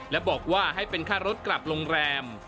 และบอกว่าให้เป็นค่ารถกลับโรงแรม